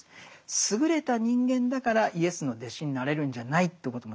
優れた人間だからイエスの弟子になれるんじゃないということもですね